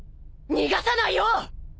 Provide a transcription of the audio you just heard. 逃がさないよ！